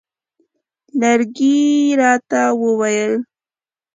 لرګی یې راته وویل.